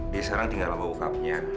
dia sekarang tinggal sama bokapnya